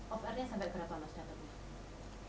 off air nya sampai berapa mas datang